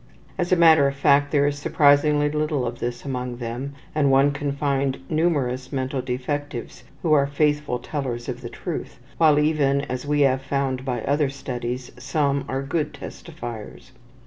As a matter of fact there is surprisingly little of this among them, and one can find numerous mental defectives who are faithful tellers of the truth, while even, as we have found by other studies, some are good testifiers.